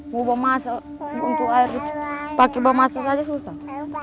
mau bawa masa untuk air pakai bawa masa saja susah